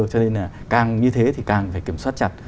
cho nên là càng như thế thì càng phải kiểm soát chặt